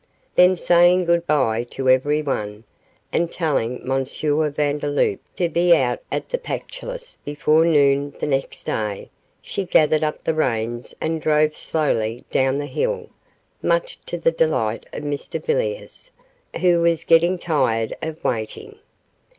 Then saying goodbye to everyone, and telling M. Vandeloup to be out at the Pactolus before noon the next day, she gathered up the reins and drove slowly down the hill, much to the delight of Mr Villiers, who was getting tired of waiting.